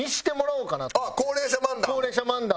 あっ高齢者漫談？